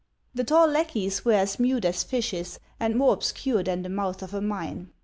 The tall lackeys were as mute as fishes, and more obscure than the mouth of a mine.